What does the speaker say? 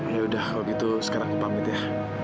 ya udah kalau gitu sekarang aku pamit ya